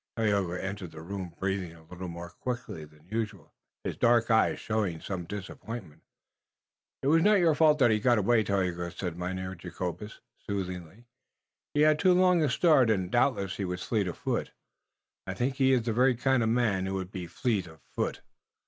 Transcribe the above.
Tayoga entered the room, breathing a little more quickly than usual, his dark eyes showing some disappointment. "It wass not your fault that he got away, Tayoga," said Mynheer Jacobus soothingly. "He had too long a start, und doubtless he was fleet of foot. I think he iss the very kind of man who would be fleet of foot."